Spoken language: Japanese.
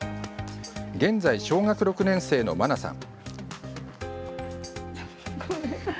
現在、小学６年生の茉奈さん。